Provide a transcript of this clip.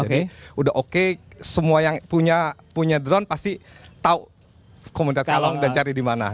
jadi udah oke semua yang punya drone pasti tau komunitas kalong dan cari di mana